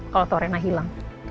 kalau tahu rena hilang